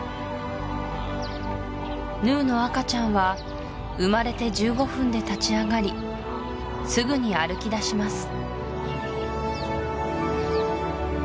ヌーの赤ちゃんは生まれて１５分で立ち上がりすぐに歩きだします